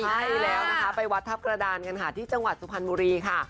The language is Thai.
ใช่แล้วนะคะไปวัดทัพกระดานกันค่ะที่จังหวัดสุพรรณบุรีค่ะ